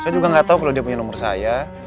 saya juga gak tau kalau dia punya nomor saya